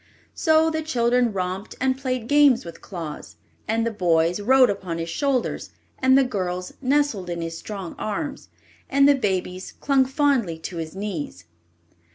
So the children romped and played games with Claus, and the boys rode upon his shoulders, and the girls nestled in his strong arms, and the babies clung fondly to his knees.